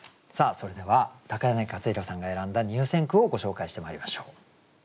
それでは柳克弘さんが選んだ入選句をご紹介してまいりましょう。